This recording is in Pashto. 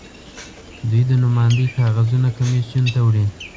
دوی د نوماندۍ کاغذونه کمېسیون ته وړي.